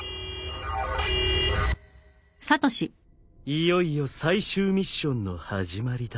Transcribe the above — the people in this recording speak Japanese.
いよいよ最終ミッションの始まりだ。